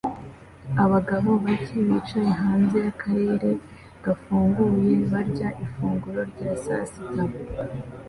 Abagabo bake bicaye hanze yakarere gafunguye barya ifunguro rya sasita